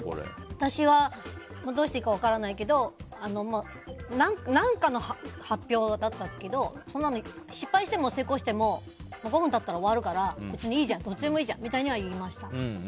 私は、どうしていいか分からないけど何かの発表だったけど失敗しても成功しても５分経ったら終わるから別にいいじゃんとかは言いました。